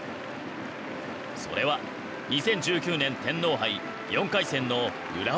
それは２０１９年天皇杯４回戦の浦和との一戦。